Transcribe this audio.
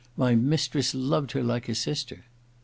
* My mistress loved her like a sister.'